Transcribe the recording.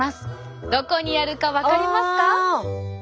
どこにあるか分かりますか？